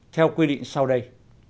theo quy định sau đây